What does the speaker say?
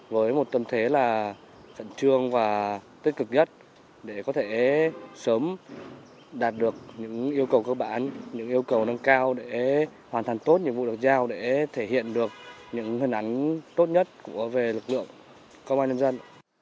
với một tâm thế là khẩn trương và tích cực nhất để có thể sớm đạt được những yêu cầu cơ bản những yêu cầu nâng cao để hoàn thành tốt nhiệm vụ được giao để thể hiện được những hình ảnh tốt nhất về lực lượng công an nhân dân